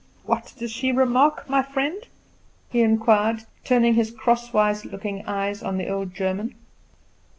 "What does she remark, my friend?" he inquired, turning his crosswise looking eyes on the old German.